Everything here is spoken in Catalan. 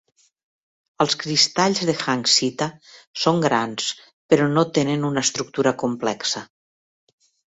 Els cristalls de hanksita són grans però no tenen una estructura complexa.